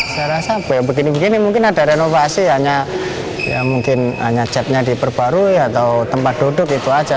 saya rasa begini begini mungkin ada renovasi hanya ya mungkin hanya jetnya diperbarui atau tempat duduk itu aja